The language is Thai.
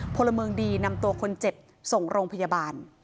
พลเมืองดีนำตัวคนเจ็บส่งโรงพยาบาล